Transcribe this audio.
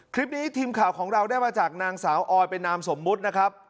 ทีมข่าวของเราได้มาจากนางสาวออยเป็นนามสมมุตินะครับ